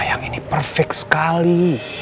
sayang ini perfect sekali